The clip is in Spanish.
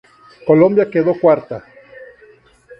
Colombia quedó cuarta.